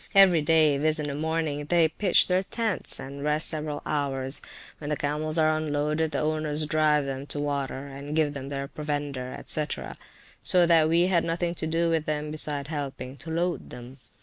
Every day, viz. in the morning, they pitch their tents, and rest several hours. When the camels are unloaded the owners drive them to water, and give them their provender, &c. So that we had nothing to do with them, besides helping to load them.